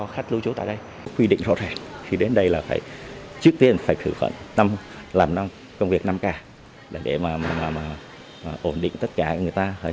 khách lưu trú tại đây quy định rõ ràng khi đến đây là phải trước tiên phải khử làm công việc năm k để mà ổn định tất cả người ta